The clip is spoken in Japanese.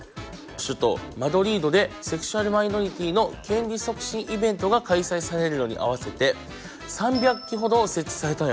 首都マドリードでセクシャルマイノリティーの権利促進イベントが開催されるのに合わせて３００基ほど設置されたんやって。